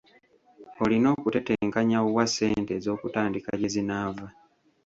Olina okutetenkanya wa ssente ez’okutandika gye zinaava.